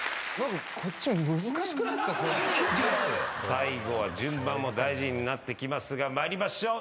最後は順番も大事になってきますが参りましょう。